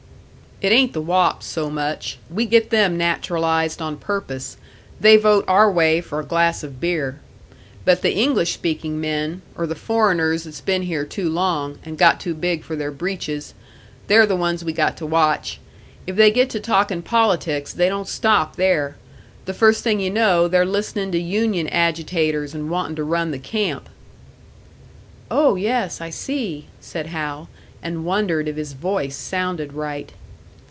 "It ain't the wops so much. We get them naturalised on purpose they vote our way for a glass of beer. But the English speaking men, or the foreigners that's been here too long, and got too big for their breeches they're the ones we got to watch. If they get to talking politics, they don't stop there; the first thing you know, they're listening to union agitators, and wanting to run the camp." "Oh yes, I see!" said Hal, and wondered if his voice sounded right.